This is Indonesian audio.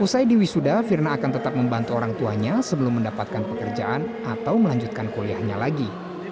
usai diwisuda firna akan tetap membantu orang tuanya sebelum mendapatkan pekerjaan atau melanjutkan kuliahnya lagi